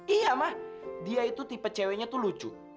iya ma dia itu tipe ceweknya tuh lucu